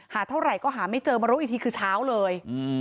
เท่าไหร่ก็หาไม่เจอมารู้อีกทีคือเช้าเลย